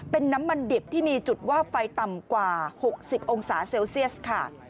เป็นน้ำมันดิบที่มีจุดว่าไฟต่ำกว่า๖๐องศาเซลเซียสค่ะ